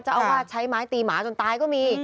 เจ้าอาวาสใช้ไม้ตีหมาจนตายก็มี